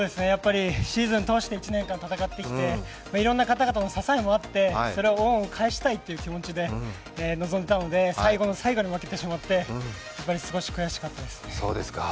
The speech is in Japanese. シーズン通して１年間戦ってきて、いろんな方々の支えもあって、その恩を返したいという気持ちで臨んでいたので最後の最後に負けてしまって少し悔しかったです。